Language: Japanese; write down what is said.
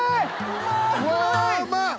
うわうまい！